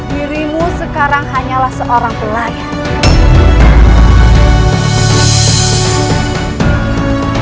dirimu sekarang hanyalah seorang pelangi